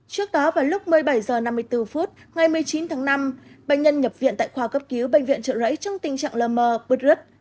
trước đó vào lúc một mươi bảy h năm mươi bốn ngày một mươi chín tháng năm bệnh nhân nhập viện tại khoa cấp cứu bệnh viện trợ rẫy trong tình trạng lơ mờ prut